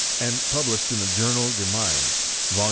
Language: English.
39 and published in the Journal des Mines (vol.